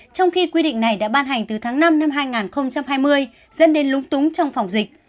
trong khi quy định này đã ban hành từ tháng năm năm hai nghìn hai mươi dẫn đến lúng túng trong phòng dịch